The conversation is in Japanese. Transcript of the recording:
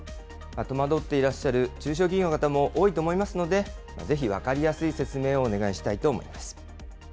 戸惑っていらっしゃる中小企業の方も多いと思いますので、ぜひ分かりやすい説明をお願いしたいと思います。